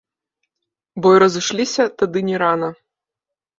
Бо й разышліся тады не рана.